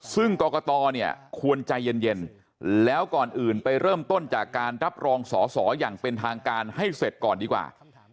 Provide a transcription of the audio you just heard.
ซึ่งกรกตเนี่ยควรใจเย็นแล้วก่อนอื่นไปเริ่มต้นจากการรับรองสอสออย่างเป็นทางการให้เสร็จก่อนดีกว่า